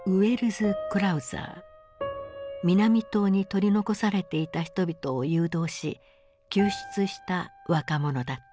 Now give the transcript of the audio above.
南棟に取り残されていた人々を誘導し救出した若者だった。